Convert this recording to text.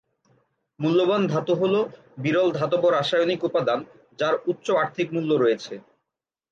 মূল্যবান ধাতু হল বিরল ধাতব রাসায়নিক উপাদান, যার উচ্চ আর্থিক মূল্য রয়েছে।